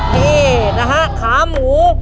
นี่นะฮะขาหมู